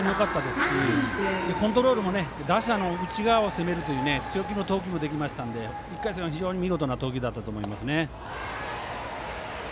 ストレート、スライダーのキレが非常によかったですしコントロールも打者の内側を攻める強気の投球もできたので１回戦は非常に見事な投球だったと思います。